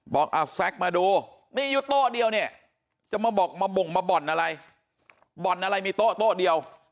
บอกแซคมาดูนี่อยู่โต๊ะเดียวเนี่ยจะมาบอกมาบ่งมาบ่อนอะไรบ่อนอะไรมีโต๊ะเดียว